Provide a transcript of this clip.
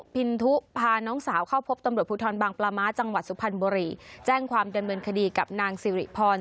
เป็นชาวอมเภอผักใหม่จังหวัดพระนคร